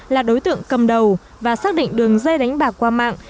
là đối tượng cầm đầu và xác định đường dây đánh bạc qua mạng